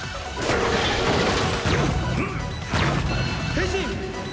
変身！